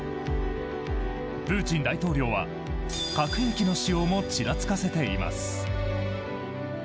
プーチン大統領は核兵器の使用もちらつかせています。